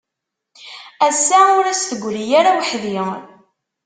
Ass-a ur d as-tegri ara weḥd-i.